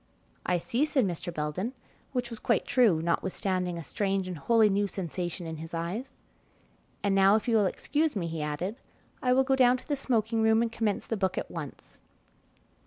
"I see," said Mr. Belden, which was quite true, notwithstanding a strange and wholly new sensation in his eyes. "And now if you will excuse me," he added, "I will go down to the smoking room and commence the book at once."